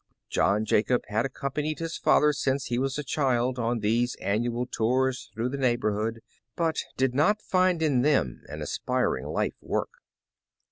John Jacob had accompanied his father since he was a child, on these annual tours through the neighborhood, but did not find in them an inspiring life work.